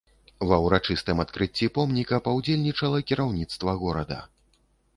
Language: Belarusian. Ва ўрачыстым адкрыцці помніка паўдзельнічала кіраўніцтва горада.